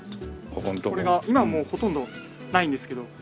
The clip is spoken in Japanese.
これが今はもうほとんどないんですけど。